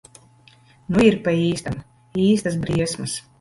Nu ir pa īstam. Īstas briesmas.